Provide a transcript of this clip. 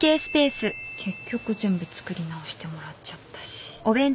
結局全部作り直してもらっちゃったし。